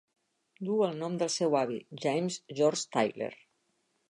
Duu el nom del seu avi, James George Tyler.